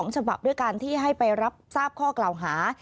ฉบับด้วยการที่ให้ไปรับทราบข้อกล่าวหา